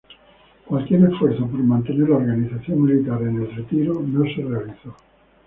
Cualquier esfuerzo por mantener la organización militar en el retiro no se realizó.